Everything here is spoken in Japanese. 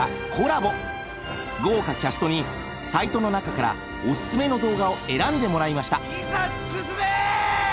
豪華キャストにサイトの中からおすすめの動画を選んでもらいました。